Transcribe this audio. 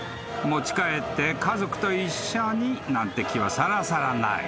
［「持ち帰って家族と一緒に」なんて気はさらさらない］